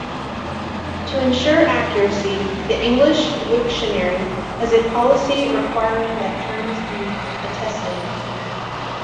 To ensure accuracy, the English Wiktionary has a policy requiring that terms be "attested".